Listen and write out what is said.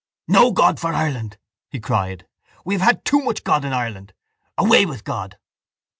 —No God for Ireland! he cried. We have had too much God in Ireland. Away with God!